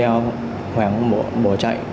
khoảng bỏ chạy